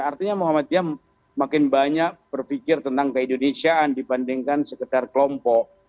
artinya muhammadiyah makin banyak berpikir tentang keindonesiaan dibandingkan sekedar kelompok